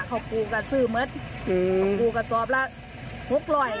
เขากลูกับซื้อเม็ดอืมกลูกับซอบแล้วหกหล่อย